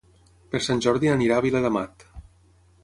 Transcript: Per Sant Jordi anirà a Viladamat.